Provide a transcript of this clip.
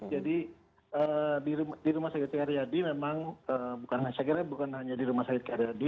jadi di rumah sakit dr karyadi memang saya kira bukan hanya di rumah sakit dr karyadi